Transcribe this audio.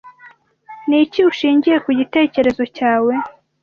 Ni iki ushingiye ku gitekerezo cyawe?